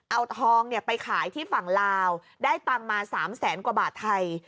เอาทองไปขายที่ฝั่งลาวได้ตังค์มา๓แสนกว่าบาทไทย